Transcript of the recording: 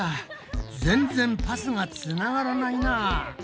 全然パスがつながらないなぁ。